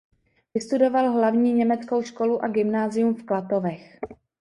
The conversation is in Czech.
Vystudoval hlavní německou školu a gymnázium v Klatovech.